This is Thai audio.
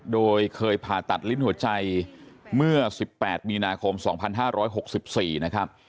โดยเคยผ่าตัดลิ้นหัวใจเมื่อ๑๘มีนาคม๒๕๖๔นะครับ